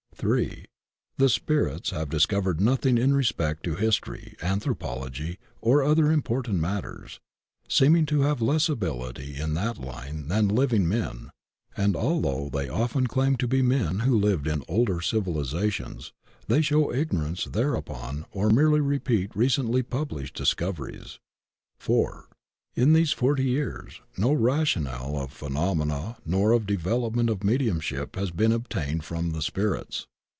III. The spirits have discovered nothing in respect to history, anthropology, or other important matters, seeming to have less ability in that line than living men; and although they often claim to be men who lived in older civilizations, they show ignorance there upon or merely repeat recently published discoveries. IV. In these forty years no rationale of phenomena nor of development of mediumship has been obtained from the spirits.